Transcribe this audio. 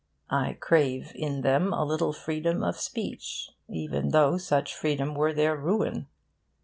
I crave in them a little freedom of speech, even though such freedom were their ruin.